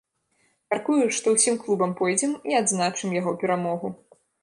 Мяркую, што ўсім клубам пойдзем і адзначым яго перамогу.